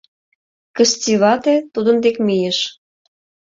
Кысти вате тудын дек мийыш.